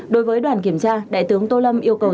đối với đoàn kiểm tra đại tướng tô lâm yêu cầu